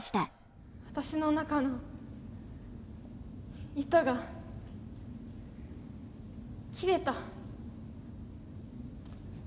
私の中の糸が切れた。